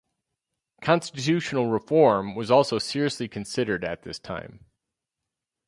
Constitutional reform was also seriously considered at this time.